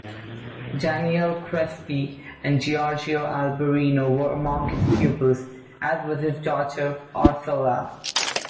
Daniele Crespi and Giorgio Alberino were among his pupils, as was his daughter, Orsola.